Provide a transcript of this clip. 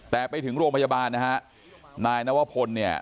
แต่ไปถึงโรงพยาบาลนายนวพล